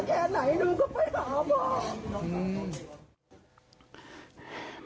อืม